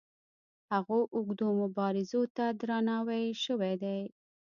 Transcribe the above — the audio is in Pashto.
هغو اوږدو مبارزو ته درناوی شوی دی.